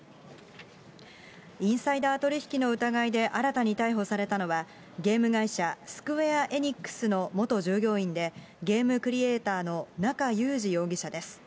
インサイダー取り引きの疑いで新たに逮捕されたのは、ゲーム会社、スクウェア・エニックスの元従業員で、ゲームクリエーターの中裕司容疑者です。